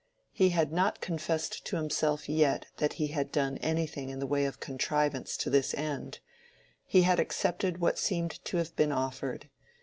He had not confessed to himself yet that he had done anything in the way of contrivance to this end; he had accepted what seemed to have been offered.